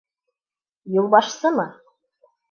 Юлбашсымы?